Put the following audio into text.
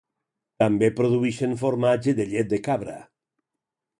També produïxen formatge de llet de cabra.